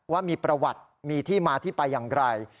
ว่ามีประวัติมีที่มาที่ไปอย่างไร